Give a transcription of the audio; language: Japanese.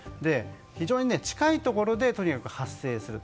非常に近いところでとにかく発生する。